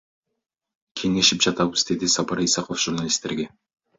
Кеңешип жатабыз, — деди Сапар Исаков журналисттерге.